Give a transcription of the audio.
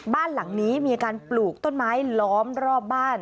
บ้านหลังนี้มีการปลูกต้นไม้ล้อมรอบบ้าน